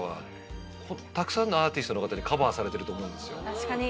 確かに！